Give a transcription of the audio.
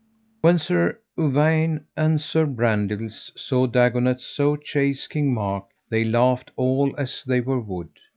When Sir Uwaine and Sir Brandiles saw Dagonet so chase King Mark, they laughed all as they were wood.